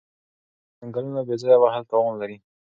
د ځنګلونو بې ځایه وهل تاوان لري.